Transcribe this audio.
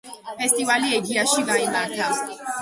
ფესტივალი ეგიაში გაიმართა.